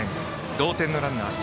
同点のランナーは二塁。